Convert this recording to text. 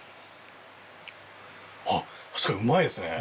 あっ確かにうまいですね。